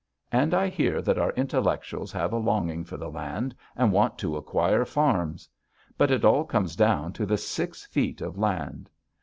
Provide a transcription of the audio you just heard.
And I hear that our intellectuals have a longing for the land and want to acquire farms. But it all comes down to the six feet of land.